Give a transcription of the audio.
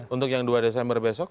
untuk yang dua desember besok